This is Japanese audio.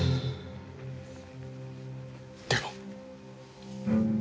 でも！